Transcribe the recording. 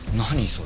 それ。